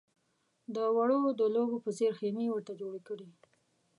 د وړو د لوبو په څېر خېمې ورته جوړې کړې.